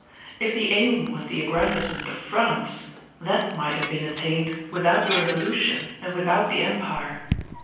If the aim was the aggrandizement of France, that might have been attained without the Revolution and without the Empire.